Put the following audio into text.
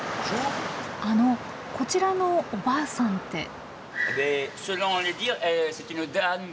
あのこちらのおばあさんって。